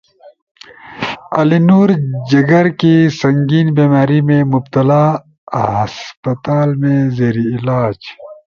علی نور جگر کی سنگین بیماری میں مبتلا ہسپتال میں زیر علاج